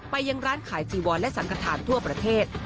ยังร้านขายจีวอนและสังขทานทั่วประเทศ